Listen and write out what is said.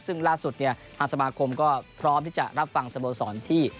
ซึ่งล่าสุดเนี่ยทางสมาคมก็พร้อมที่จะรับฟังสโมสรที่